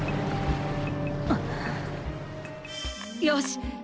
よし。